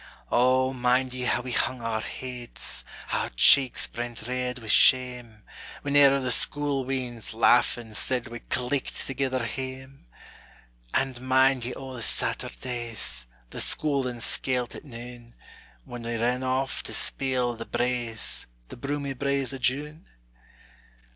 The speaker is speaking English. O, mind ye how we hung our heads, How cheeks brent red wi' shame, Whene'er the scule weans, laughin', said We cleeked thegither hame? And mind ye o' the Saturdays, (The scule then skail't at noon,) When we ran off to speel the braes, The broomy braes o' June?